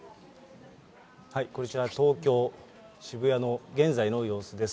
こちら、東京・渋谷の現在の様子です。